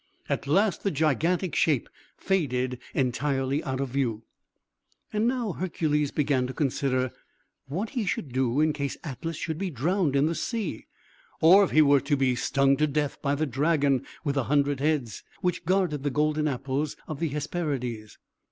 At last the gigantic shape faded entirely out of view. And now Hercules began to consider what he should do in case Atlas should be drowned in the sea, or if he were to be stung to death by the dragon with the hundred heads, which guarded the golden apples of the Hesperides.